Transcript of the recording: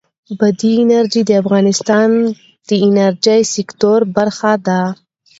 بادي انرژي د افغانستان د انرژۍ سکتور برخه ده.